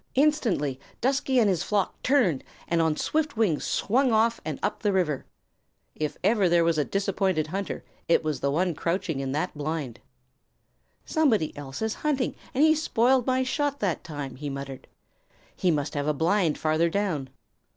Instantly Dusky and his flock turned and on swift wings swung off and up the river. If ever there was a disappointed hunter, it was the one crouching in that blind. "Somebody else is hunting, and he spoiled my shot that time," he muttered. "He must have a blind farther down.